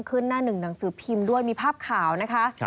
หน้าหนึ่งหนังสือพิมพ์ด้วยมีภาพข่าวนะคะ